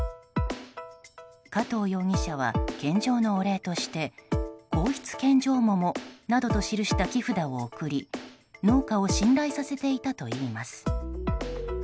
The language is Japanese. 加藤容疑者は献上のお礼として「皇室献上桃」などと記した木材を贈り農家を信頼させていたといいます。